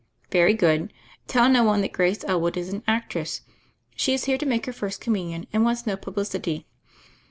"Very good: tell no one that Grace Elwood is an actress. She is here to make her First Communion, and wants no publicity."